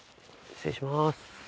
失礼します。